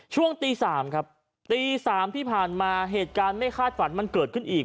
ช่วงตี๓ครับตี๓ที่ผ่านมาเหตุการณ์ไม่คาดฝันมันเกิดขึ้นอีก